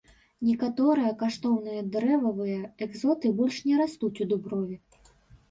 Некаторыя каштоўныя дрэвавыя экзоты больш не растуць у дуброве.